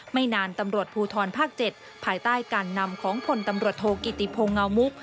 ไม่นานตำรวจภูทรภาค๗ภายใต้การนำของผลตำรวจโทกิติพงเงามุก